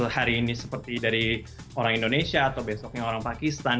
hari ini seperti dari orang indonesia atau besoknya orang pakistan